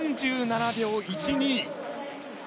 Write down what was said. ３７秒１２。